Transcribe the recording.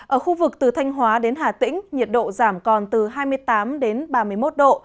ở khu vực từ thanh hóa đến hà tĩnh nhiệt độ giảm còn từ hai mươi tám ba mươi một độ